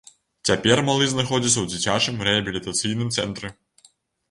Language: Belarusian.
Цяпер малы знаходзіцца ў дзіцячым рэабілітацыйным цэнтры.